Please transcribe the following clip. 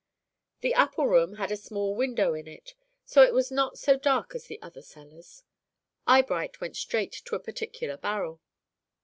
The apple room had a small window in it, so it was not so dark as the other cellars. Eyebright went straight to a particular barrel.